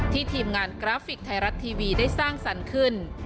ทีมงานกราฟิกไทยรัฐทีวีได้สร้างสรรค์ขึ้น